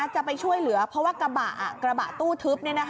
จะไปช่วยเหลือเพราะว่ากระบะตู้ทึบ